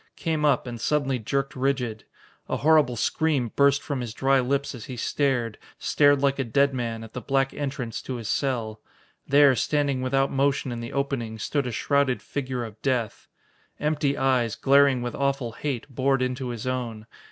Came up and suddenly jerked rigid. A horrible scream burst from his dry lips as he stared stared like a dead man at the black entrance to his cell. There, standing without motion in the opening, stood a shrouded figure of death. Empty eyes, glaring with awful hate, bored into his own.